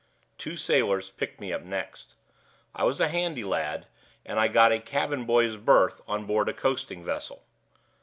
Two sailors picked me up next. I was a handy lad, and I got a cabin boy's berth on board a coasting vessel.